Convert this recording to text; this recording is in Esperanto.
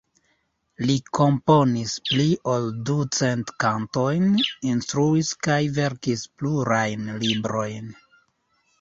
Li komponis pli ol ducent kantojn, instruis kaj verkis plurajn librojn.